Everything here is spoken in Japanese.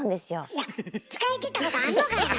いや使い切ったことあんのかいな！